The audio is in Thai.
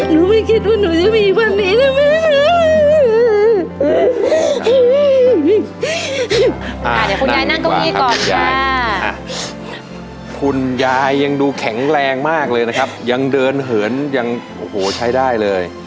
หนูไม่คิดว่าหนูจะมีวันนี้นะแม่ขอบคุณยายยังดูแข็งแรงมากเลยนะครับยังเดินเหินยังโหใช้ได้เลย